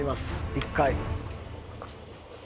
１回。